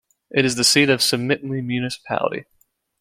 It is the seat of Simitli Municipality.